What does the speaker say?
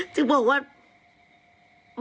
ใช่ว่า